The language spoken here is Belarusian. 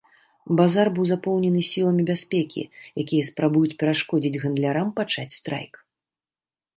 Базар быў запоўнены сіламі бяспекі, якія спрабуюць перашкодзіць гандлярам пачаць страйк.